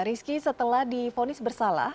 rizky setelah difonis bersalah